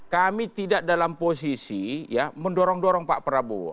kami tidak dalam posisi ya mendorong dorong pak prabowo